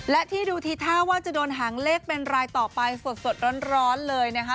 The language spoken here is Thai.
และที่ดูทีท่าว่าจะโดนหางเลขเป็นรายต่อไปสดร้อนเลยนะคะ